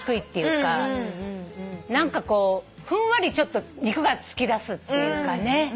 何かこうふんわりちょっと肉がつきだすっていう。